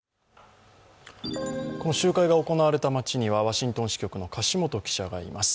この集会が行われた町にはワシントン支局の樫元記者がいます。